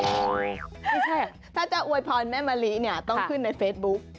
ไม่ใช่อะถ้าจะโวยพรแม่มะลิต้องขึ้นในเฟสบุ๊ค